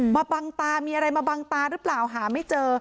บังตามีอะไรมาบังตาหรือเปล่าหาไม่เจอ